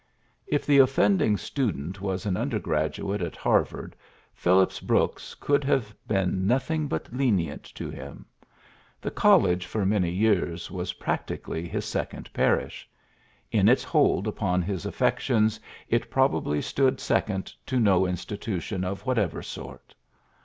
If the offending student was an under graduate at Harvard, Phillips Brooks could have been nothing but lenient to him. The college for many years was practically his second parish. In its hold upon his affections, it probably stood second to no institution of what ever sort.